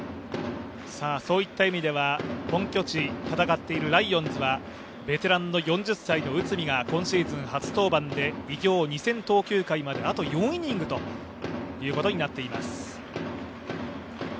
本拠地で戦っているライオンズはベテランの４０歳の内海が今シーズン初登板で偉業２０００投球回まであと４イニングということになっています。